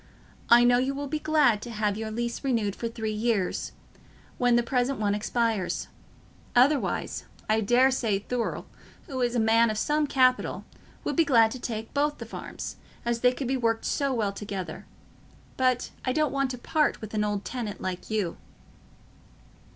I know you will be glad to have your lease renewed for three years, when the present one expires; otherwise, I daresay Thurle, who is a man of some capital, would be glad to take both the farms, as they could be worked so well together. But I don't want to part with an old tenant like you."